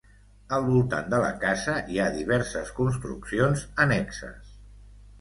Al voltant de la casa hi ha diverses construccions annexes.